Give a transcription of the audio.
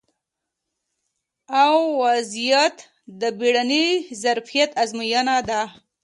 ا وضعیت د بیړني ظرفیت ازموینه نه ده